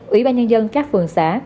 ủy ban nhân dân các phường xã